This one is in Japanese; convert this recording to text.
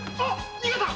逃げた！